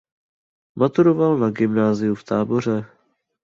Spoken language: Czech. Maturoval na gymnáziu v Táboře.